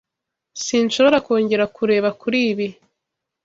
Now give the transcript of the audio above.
Sinshobora kongera kureba kuri ibi.